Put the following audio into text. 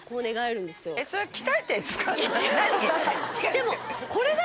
でも。